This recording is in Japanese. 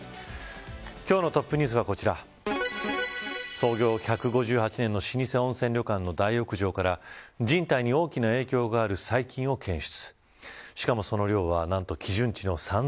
今日のトップニュースはこちら、老舗温泉旅館の大浴場から人体に大きな影響がある細菌を検出。